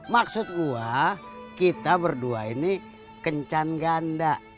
maksud gua kita berdua ini kencan ganda